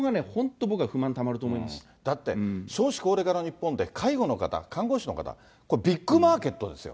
今回そこがね、だって、少子高齢化の日本で介護の方、看護師の方、これ、ビッグマーケットですよ。